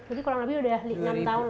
jadi udah enam tahun lah ya